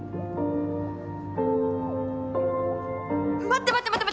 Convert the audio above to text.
待って待って！